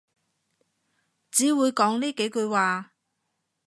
只會講呢幾句話